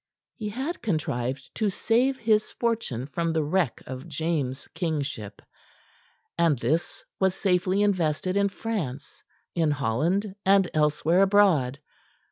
He had contrived to save his fortune from the wreck of James' kingship, and this was safely invested in France, in Holland and elsewhere abroad.